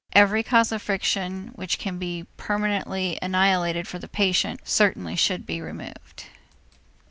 Every cause of friction which can be permanently annihilated for the patient certainly should be removed.